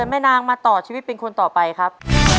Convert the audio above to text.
ต้นไม้ประจำจังหวัดระยองการครับ